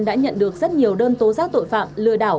đã nhận được rất nhiều đơn tố giác tội phạm lừa đảo